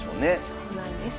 そうなんです。